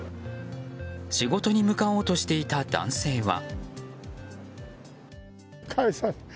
仕事に向かおうとしていた男性は。